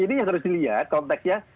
ini yang harus dilihat konteksnya